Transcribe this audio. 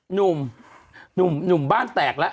หนุ่มหนุ่มบ้านแตกแล้ว